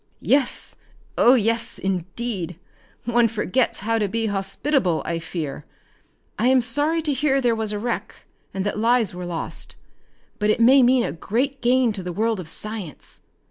"Yes, oh yes! Indeed. One forgets how to be hospitable, I fear. I am sorry to hear there was a wreck and that lives were lost but it may mean a great gain to the world of science.